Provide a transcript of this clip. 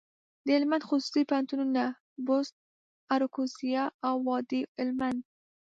دهلمند خصوصي پوهنتونونه، بُست، اراکوزیا او وادي هلمند.